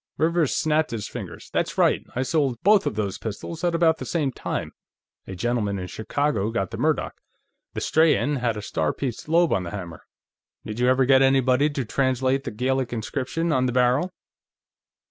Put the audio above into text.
Rivers snapped his fingers. "That's right! I sold both of those pistols at about the same time; a gentleman in Chicago got the Murdoch. The Strahan had a star pierced lobe on the hammer. Did you ever get anybody to translate the Gaelic inscription on the barrel?"